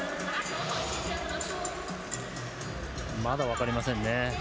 まだ分かりませんね。